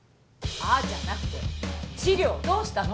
「あっ」じゃなくて資料どうしたの？